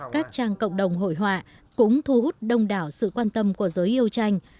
các trang cộng đồng hội họa cũng thu hút đông đảo sự quan tâm của giới yêu tranh